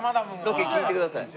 ロケ聞いてください。